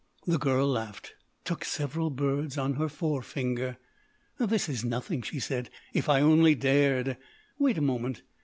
The girl laughed, took several birds on her forefinger. "This is nothing," she said. "If I only dared—wait a moment!